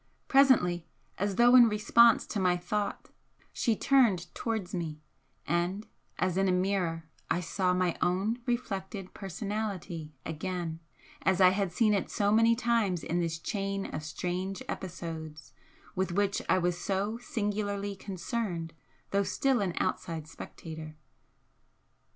Presently, as though in response to my thought, she turned towards me, and as in a mirror I saw MY OWN REFLECTED PERSONALITY again as I had seen it so many times in this chain of strange episodes with which I was so singularly concerned though still an outside spectator.